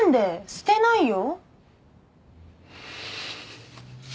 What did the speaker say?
捨てないよ！